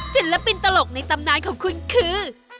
ศิลปินตลกในตำนานของคุณคือ